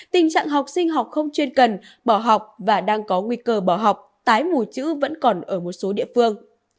tình trạng học sinh học không chuyên cần bỏ học và đang có nguy cơ bỏ học tái mù chữ vẫn còn ở một số địa phương